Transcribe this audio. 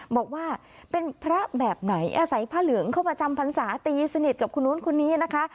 บอกว่าเป็นพระแบบไหนอาศัยผ้าเหลืองเข้ามาจำพรรษาตีสนิทกับคนนู้นคนนี้นะคะ